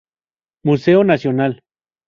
Museo Nacional.